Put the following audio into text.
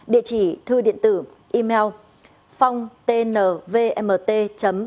địa chỉ thư điện tử email phongtnvmt com